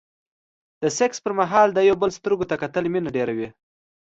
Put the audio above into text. د سکس پر مهال د يو بل سترګو ته کتل مينه ډېروي.